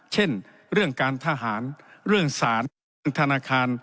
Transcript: เช่นเรื่องการทหารเรื่องสารเรื่องธนาคาร